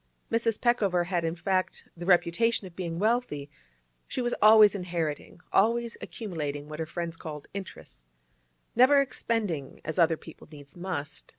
Mrs. Peckover had, in fact, the reputation of being wealthy; she was always inheriting, always accumulating what her friends called 'interess,' never expending as other people needs must.